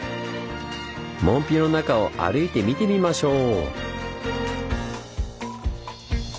門の中を歩いて見てみましょう！